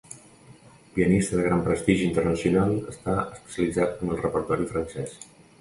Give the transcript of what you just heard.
Pianista de gran prestigi internacional, està especialitzat en el repertori francès.